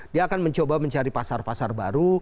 dia akan mencoba mencari pasar pasar baru